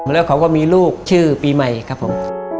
แล้วเขาก็มีลูกชื่อปีใหม่ครับผม